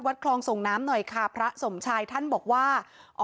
คลองส่งน้ำหน่อยค่ะพระสมชายท่านบอกว่า